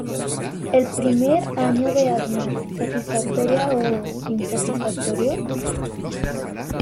El primer año de Aznar ¿satisfactoria o insatisfactorio?